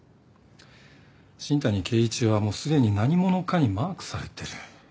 新谷啓一はもうすでに何者かにマークされてる。